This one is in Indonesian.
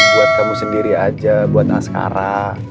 buat kamu sendiri aja buat askara